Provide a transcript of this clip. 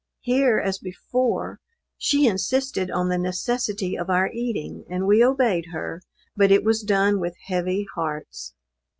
Here, as before, she insisted on the necessity of our eating; and we obeyed her, but it was done with heavy hearts.